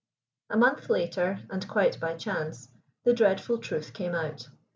A month later, and quite by chance, the dreadful truth came out.